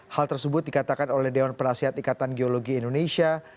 hal tersebut dikatakan oleh dewan penasihat ikatan geologi indonesia